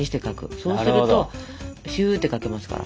そうするとしゅって描けますから。